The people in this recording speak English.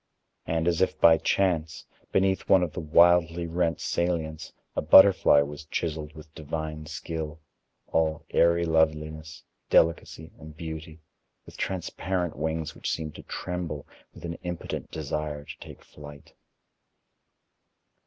And, as if by chance, beneath one of the wildly rent salients a butterfly was chiseled with divine skill, all airy loveliness, delicacy, and beauty, with transparent wings, which seemed to tremble with an impotent desire to take flight.